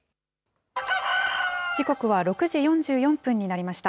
時刻は６時４４分になりました。